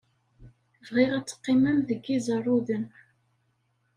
Bɣiɣ ad teqqimem deg Iẓerruden.